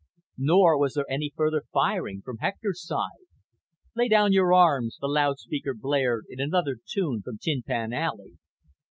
Nor was there any further firing from Hector's side. Lay Down Your Arms, the loudspeaker blared in another tune from tin pan alley.